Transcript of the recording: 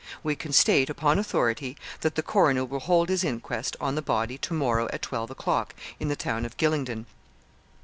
We can state, upon authority, that the coroner will hold his inquest on the body, to morrow at twelve o'clock, in the town of Gylingden.